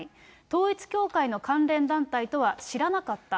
統一教会の関連団体とは知らなかった。